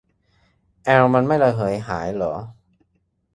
แอลมันไม่ระเหยหายเหรอ